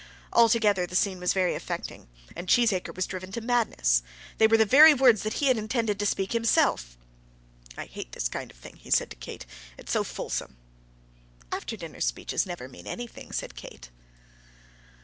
Altogether the scene was very affecting, and Cheesacre was driven to madness. They were the very words that he had intended to speak himself. "I hate all this kind of thing," he said to Kate. "It's so fulsome." "After dinner speeches never mean anything," said Kate.